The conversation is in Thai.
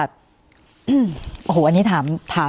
คุณสิราค่ะ